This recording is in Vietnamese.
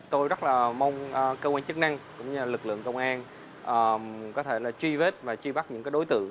tôi rất là mong cơ quan chức năng cũng như lực lượng công an có thể truy vết và truy bắt những đối tượng